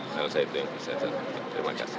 saya rasa itu yang bisa saya terima kasih